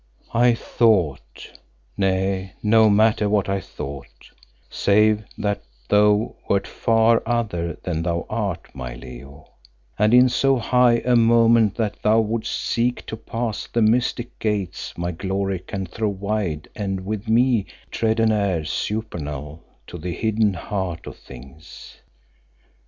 "I thought nay, no matter what I thought, save that thou wert far other than thou art, my Leo, and in so high a moment that thou wouldst seek to pass the mystic gates my glory can throw wide and with me tread an air supernal to the hidden heart of things.